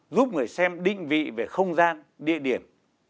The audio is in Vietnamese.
giúp người xem định vị về không gian địa điểm